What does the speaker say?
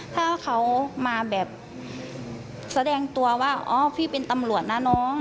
ถ้าเขามาแบบแสดงตัวว่าอ๋อพี่เป็นตำรวจนะน้อง